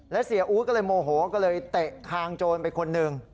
และเสียอู๊ดก็เลยโมโหก็เลยเตะคางโจรไปคนหนึ่ง